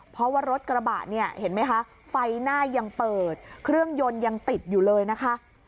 เพราะว่ารถกระบะเนี่ยเห็นไหมคะไฟหน้ายังเปิดเครื่องยนต์ยังติดอยู่เลยนะคะ